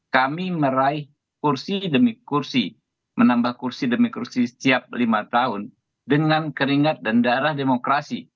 kami meraih kursi demi kursi menambah kursi demi kursi setiap lima tahun dengan keringat dan darah demokrasi